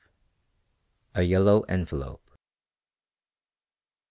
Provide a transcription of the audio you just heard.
A YELLOW ENVELOPE.